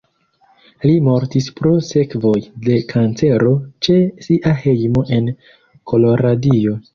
Li mortis pro sekvoj de kancero ĉe sia hejmo en Koloradio.